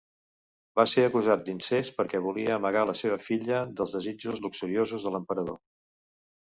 Va ser acusat d'incest perquè volia amagar la seva filla dels desitjos luxuriosos de l'emperador.